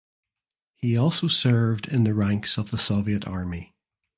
He also served in the ranks of the Soviet Army.